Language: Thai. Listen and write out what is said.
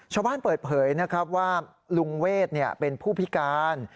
ชาวบ้านเปิดเผยนะครับว่าลุงเวทเป็นผู้พิการ